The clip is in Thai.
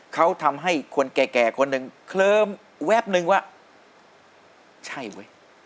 เขาทำให้คนแก่คนหนึ่งเคลิ้มแวบนึงว่าใช่เว้ย